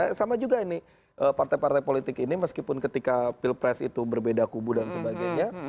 ya sama juga ini partai partai politik ini meskipun ketika pilpres itu berbeda kubu dan sebagainya